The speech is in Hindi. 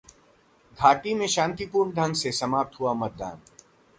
घाटी में शांतिपूर्ण ढ़ंग से समाप्त हुआ मतदान